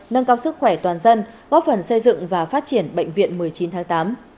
nâng cao sức khỏe toàn dân góp phần xây dựng và phát triển bệnh viện một mươi chín tháng tám